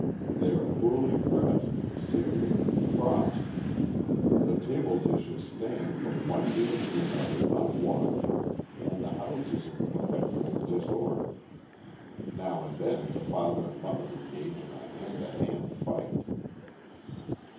They are poorly dressed, sickly and cross. The table dishes stand from one meal to another unwashed, and the house is in perpetual disorder. Now and then the father and mother engage in a hand to hand fight.